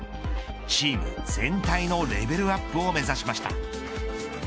チーム全体のレベルアップを目指しました。